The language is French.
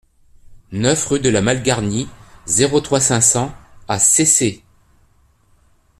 neuf rue de la Malgarnie, zéro trois, cinq cents à Cesset